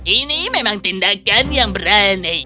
ini memang tindakan yang berani